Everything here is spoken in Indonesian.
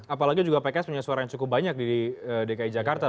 apalagi juga pks punya suara yang cukup banyak di dki jakarta